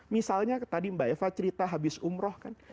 misalnya tadi mbak eva cerita habis umroh kan